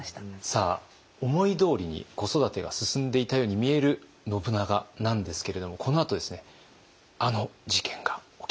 さあ思いどおりに子育てが進んでいたように見える信長なんですけれどもこのあとあの事件が起きます。